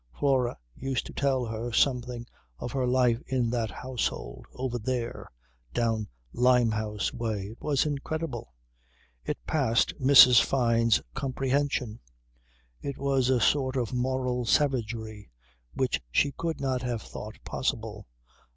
Flora used to tell her something of her life in that household, over there, down Limehouse way. It was incredible. It passed Mrs. Fyne's comprehension. It was a sort of moral savagery which she could not have thought possible.